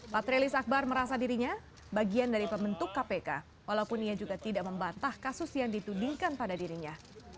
patrialis akbar merasa dirinya bagian dari pembentuk kpk walaupun ia juga tidak membantah kasus yang ditudingkan pada dirinya